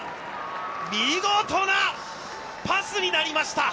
見事なパスになりました。